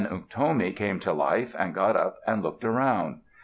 Then Unktomi came to life, and got up, and looked around.